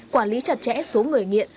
quản lý chặt chẽ số người nghiện